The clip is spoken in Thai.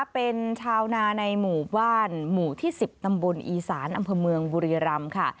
เป็นชาวนาในหมู่บ้านหมู่ที่๑๐ตำบลอีสานอำเภอเมืองบุรีรำค่ะ